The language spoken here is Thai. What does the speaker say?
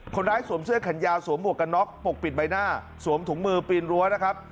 คนร้ายสวมเสื้อขันยาวสวมหัวกน็อคปกปิดใบหน้าสวมถุงมือปีนรั้วนะครับ